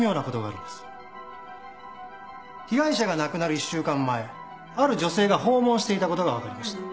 被害者が亡くなる１週間前ある女性が訪問していたことが分かりました。